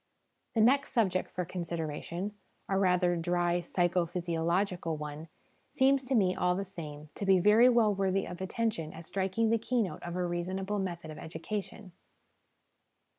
The next subject for consideration a rather dry psycho physiological one seems to me, all the same, to be very well worthy of attention as striking the keynote of a reasonable method of education.